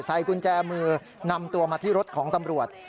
กุญแจมือนำตัวมาที่รถของตำรวจ